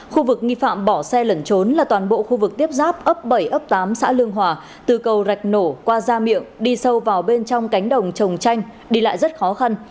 khu vực nghi phạm bỏ xe lẩn trốn là toàn bộ khu vực tiếp ráp ấp bảy ấp tám xã lương hòa từ cầu rạch nổ qua gia miệng đi sâu vào bên trong cánh đồng trồng chanh đi lại rất khó khăn